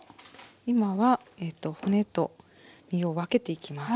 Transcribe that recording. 今は骨と身を分けていきます。